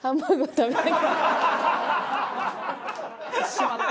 しまった！